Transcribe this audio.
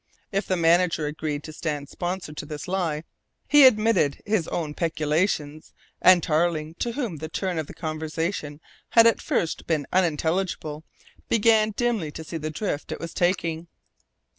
If the manager agreed to stand sponsor to this lie, he admitted his own peculations, and Tarling, to whom the turn of the conversation had at first been unintelligible, began dimly to see the drift it was taking.